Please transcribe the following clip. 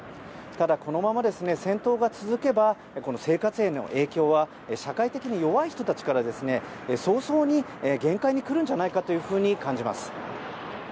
ただ、このまま戦闘が続けば生活への影響は社会的に弱い人たちから早々に限界に来るんじゃないかと感じます。